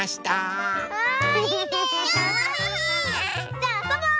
じゃああそぼう！